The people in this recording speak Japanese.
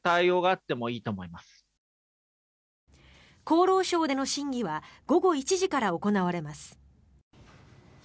厚労省での審議は午後１時から行われます。